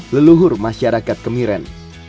leluhur masyarakat kemiren